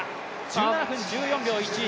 １７分１４秒１１。